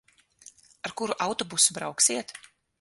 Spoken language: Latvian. Ar kuru autobusu brauksiet?